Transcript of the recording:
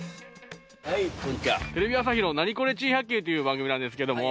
テレビ朝日の『ナニコレ珍百景』という番組なんですけども。